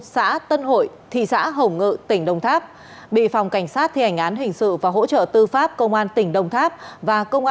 xin chào các bạn